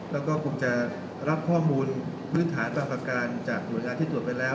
แล้วก็ผมจะรับข้อมูลพื้นฐานปรากฏการณ์จากหยุดงานที่ตรวจไปแล้ว